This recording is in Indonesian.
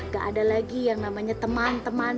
gak ada lagi yang namanya teman teman